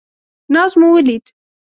ناز مو ولید.